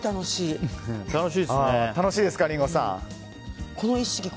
楽しいですか、リンゴさん。